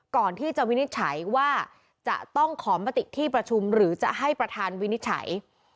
ก่อนที่จะวินิจฉัยว่าจะต้องขอมติที่ประชุมหรือจะให้ประธานวินิจฉัย